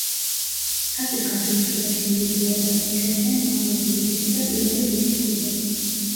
თასის გათამაშებაში მონაწილეობას იღებენ უმაღლესი ლიგისა და პირველი ლიგის კლუბები.